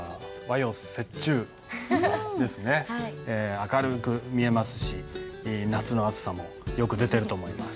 明るく見えますし夏の暑さもよく出てると思います。